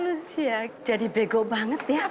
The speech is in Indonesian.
lucia jadi bego banget ya